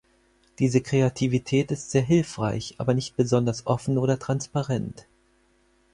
Diese Kreativität ist sehr hilfreich, aber nicht besonders offen oder transparent.